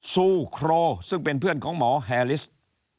ซูโครซึ่งเป็นเพื่อนของหมอแฮลิส